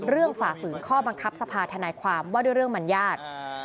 เรื่องฝ่าฝืนข้อบังคับสภาษณ์ธนายความว่าด้วยเรื่องมัญญาติ